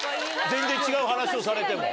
全然違う話をされても。